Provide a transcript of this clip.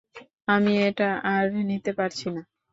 আমি এটা আর নিতে পারছি না!